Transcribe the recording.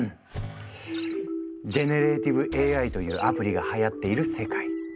ジェネレーティブＡＩというアプリがはやっている世界。